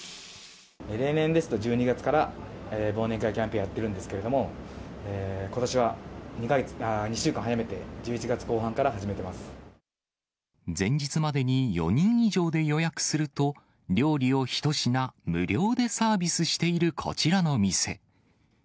例年ですと、１２月から忘年会キャンペーンをやってるんですけれども、ことしは２週間早めて、前日までに４人以上で予約すると、料理を１品無料でサービスしているこちらの店。